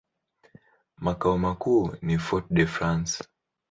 Makao makuu ni Fort-de-France.